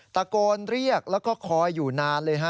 ตะโกนเรียกแล้วก็คอยอยู่นานเลยฮะ